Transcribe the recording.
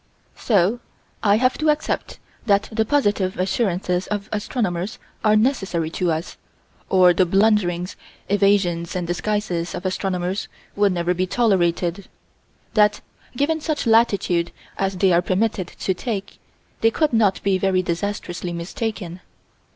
So I have to accept that the positive assurances of astronomers are necessary to us, or the blunderings, evasions and disguises of astronomers would never be tolerated: that, given such latitude as they are permitted to take, they could not be very disastrously mistaken.